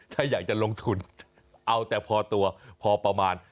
ถ้าอยากจะลงทุนเอาแต่พอตัวพอประมาณ